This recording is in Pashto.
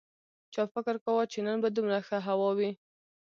چا فکر کاوه چې نن به دومره ښه هوا وي